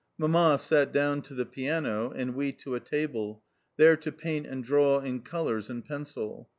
Mamma sat down to the piano, and we to a table, there to paint and draw in colours and pencil.